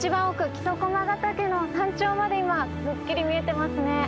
木曽駒ヶ岳の山頂まで今すっきり見えてますね。